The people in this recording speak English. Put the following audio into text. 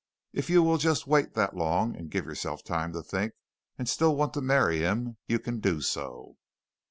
"If you will just wait that long and give yourself time to think and still want to marry him, you can do so.